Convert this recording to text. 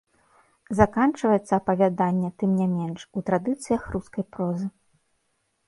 Заканчваецца апавяданне, тым не менш, у традыцыях рускай прозы.